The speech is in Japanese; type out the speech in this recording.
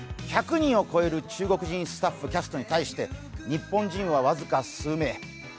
１００人を超える中国人スタッフ、キャストに対して日本人は僅か数名。